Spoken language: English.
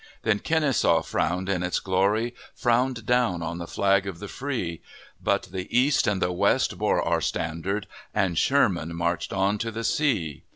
Then Kenesaw frowned in its glory, Frowned down on the flag of the free; But the East and the West bore our standard, And Sherman marched on to the sea!